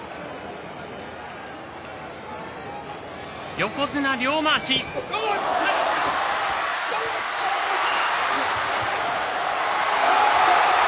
横綱両まわし。